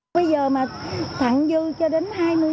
bây giờ mà thẳng dư cho đến hai mươi